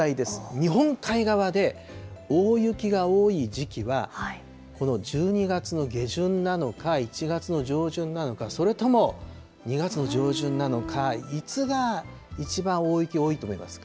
日本海側で大雪が多い時期は、この１２月の下旬なのか、１月の上旬なのか、それとも２月の上旬なのか、いつが一番大雪多いと思いますか。